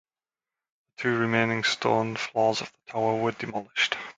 The two remaining stone floors of the tower were demolished.